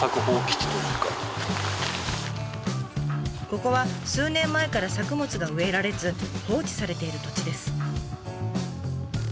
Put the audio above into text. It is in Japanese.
ここは数年前から作物が植えられず放置されている土地です。